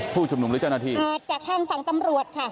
ผู้ชมนุมหรือจันนาทีจากทางฝั่งตำรวจค่ะ